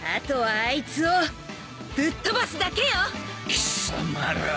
貴様ら。